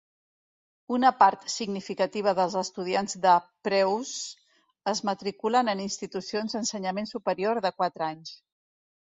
Una part significativa dels estudiants de Preuss es matriculen en institucions d'ensenyament superior de quatre anys.